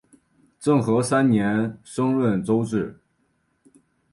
政和三年升润州置。